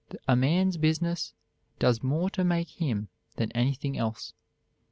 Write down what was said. A man's business does more to make him than anything else.